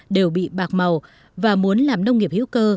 đều bị bạc màu và muốn làm nông nghiệp hữu cơ